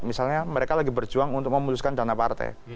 misalnya mereka lagi berjuang untuk memutuskan dana partai